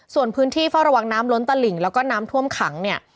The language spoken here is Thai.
ส่วนพื้นที่เฝ้าระวังน้ำล้นตลิ่งแล้วก็น้ำท่วมขังเนี่ย